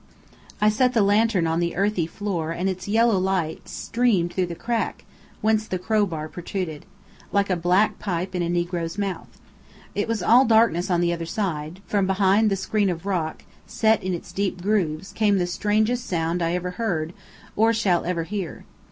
I set the lantern on the earthy floor and its yellow light streamed through the crack, whence the crowbar protruded like a black pipe in a negro's mouth. It was all darkness on the other side; from behind the screen of rock, set in its deep grooves, came the strangest sound I ever heard, or shall ever hear.